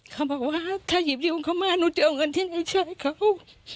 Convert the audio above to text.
เขาบอกว่าถ้าหยิบยืมเขามาหนูจะเอาเงินที่ไหนช่วยเขา